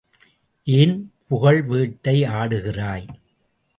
ஏன் புகழ்வேட்டை ஆடுகிறாய்!